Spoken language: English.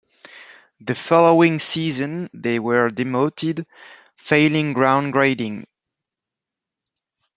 The following season they were demoted, failing ground grading.